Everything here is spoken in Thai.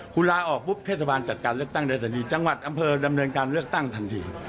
คุณลาออกปุ๊บเทศบาลจัดการเลือกตั้งโดยทันทีจังหวัดอำเภอดำเนินการเลือกตั้งทันที